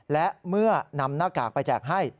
และเมื่อนำหน้ากากไปแจกให้